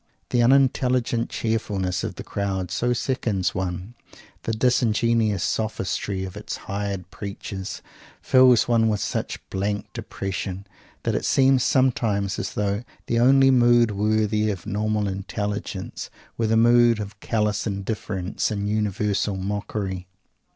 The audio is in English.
The unintelligent cheerfulness of the crowd so sickens one; the disingenuous sophistry of its hired preachers fills one with such blank depression that it seems sometimes as though the only mood worthy of normal intelligence were the mood of callous indifference and universal mockery.